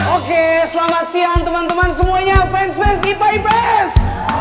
oke selamat siang teman teman semuanya fans fans ips